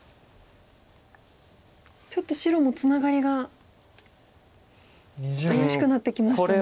ちょっと白もツナガリが怪しくなってきましたね。